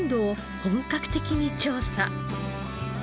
本格的に調査。